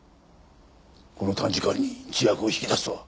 この短時間に自白を引き出すとは。